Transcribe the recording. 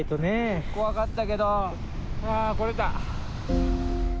怖かったけどはあ来れた！